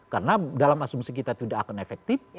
karena dalam asumsi kita tidak akan efektif